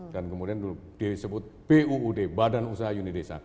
dan kemudian disebut buud badan usaha unidesa